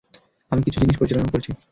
আমি কিছু জিনিস পরিচালনাও করেছি।